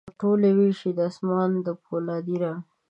ټولي ویشي د اسمان د پولا دي رنګ،